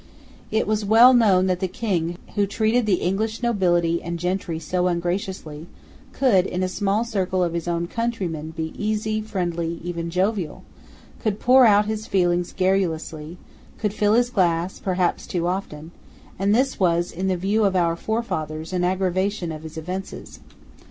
It was well known that the King, who treated the English nobility and gentry so ungraciously, could, in a small circle of his own countrymen, be easy, friendly, even jovial, could pour out his feelings garrulously, could fill his glass, perhaps too often; and this was, in the view of our forefathers, an aggravation of his offences.